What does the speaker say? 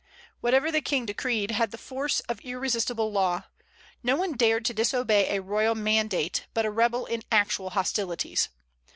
Whatever the king decreed, had the force of irresistible law; no one dared to disobey a royal mandate but a rebel in actual hostilities.